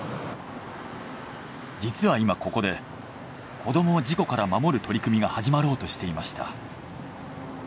実は今ここで子どもを事故から守る取り組みが始まろうとしていました。